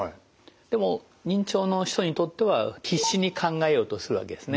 でも認知症の人にとっては必死に考えようとするわけですね。